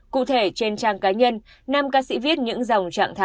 cụ thể trên trang cá nhân nam ca sĩ viết những dòng trạng thái